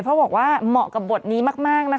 เพราะบอกว่าเหมาะกับบทนี้มากนะคะ